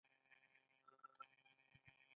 د توت ونه خواږه توت کوي